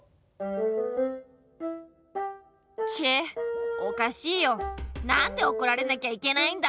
チェッおかしいよなんでおこられなきゃいけないんだ。